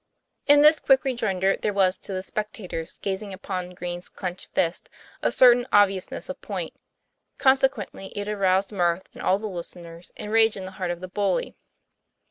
In this quick rejoinder there was to the spectators gazing upon Green's clenched fists a certain obvious ness of point; consequently it aroused mirth in all the listeners and rage in the heart of the bully.